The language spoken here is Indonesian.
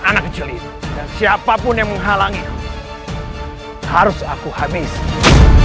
anak kecil ini dan siapapun yang menghalangi harus aku habis